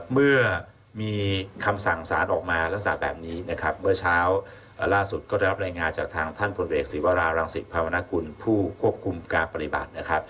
เมื่อมีคำสั่งสารออกมาก็สาปแบบนี้เมื่อเช้าล่าสุดก็ได้รับรายงานจากท่านพลเวกศิวาราหลังศิกร์พาวนาคุณผู้ควบคุมการปริบาท